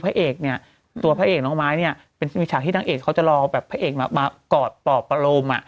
เพราะว่าพระเอกน้องไม้เนี่ยมีฉากที่นางเอกเขาจะรอแบบพระเอกมากอดป่อประโลม